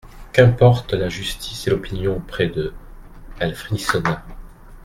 Qu’importent la justice et l’opinion auprès de …» Elle frissonna.